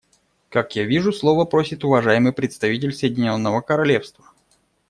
Как я вижу, слова просит уважаемый представитель Соединенного Королевства.